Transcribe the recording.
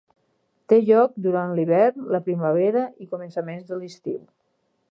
Té lloc durant l'hivern, la primavera i començaments de l'estiu.